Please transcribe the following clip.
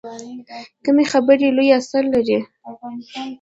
کمې خبرې، لوی اثر لري.